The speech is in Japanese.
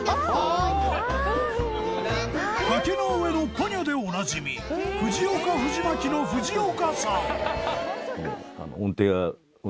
『崖の上のポニョ』でおなじみ藤岡藤巻の藤岡さん。